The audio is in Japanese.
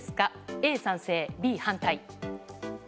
Ａ、賛成、Ｂ、反対。